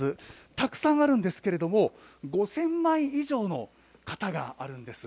たくさんあるんですけれども、５０００枚以上の型があるんです。